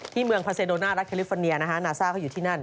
เมืองพาเซโดนารัฐแคลิฟอร์เนียนะฮะนาซ่าเขาอยู่ที่นั่น